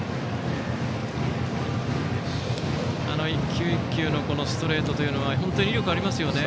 １球１球、ストレートというのは本当に威力がありますよね。